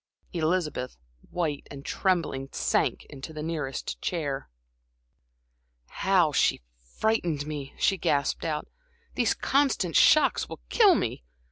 Elizabeth, white and trembling, sank into the nearest chair. "How she frightened me!" she gasped out. "These constant shocks will kill me.